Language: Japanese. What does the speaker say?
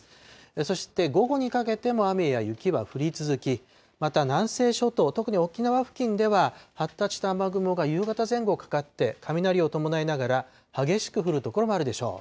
そして午後にかけても雨や雪は降り続き、また南西諸島、特に沖縄付近では、発達した雨雲が夕方前後かかって、雷を伴いながら、激しく降る所もあるでしょう。